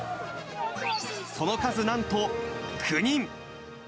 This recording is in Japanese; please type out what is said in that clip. その数なんと９人。